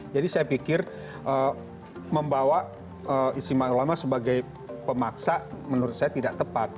jadi saya pikir membawa istimak ulama sebagai pemaksa menurut saya tidak tepat